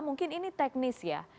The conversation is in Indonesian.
mungkin ini teknis ya